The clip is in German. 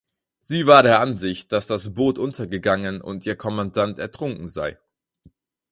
Sie war der Ansicht, dass das Boot untergegangen und ihr Kommandant ertrunken sei.